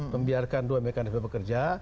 membiarkan dua mekanisme bekerja